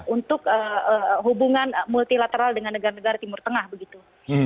untuk hubungan multilateral dengan negara negara timur tengah begitu